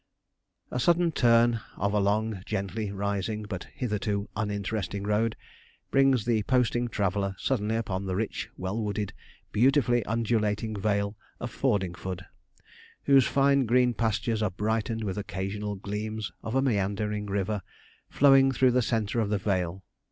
A sudden turn of a long, gently rising, but hitherto uninteresting road, brings the posting traveller suddenly upon the rich, well wooded, beautifully undulating vale of Fordingford, whose fine green pastures are brightened with occasional gleams of a meandering river, flowing through the centre of the vale.